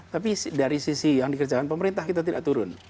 tapi dari sisi yang dikerjakan pemerintah kita tidak turun